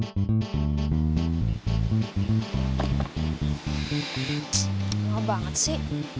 ck lama banget sih